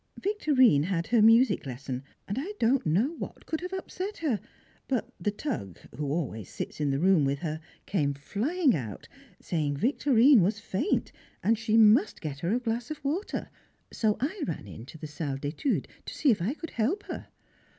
Victorine had her music lesson, and I don't know what could have upset her; but "the Tug," who always sits in the room with her, came flying out, saying Victorine was faint and she must get her a glass of water; so I ran into the salle d'étude to see if I could help her.